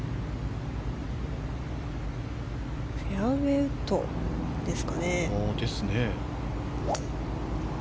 フェアウェーウッドですかね。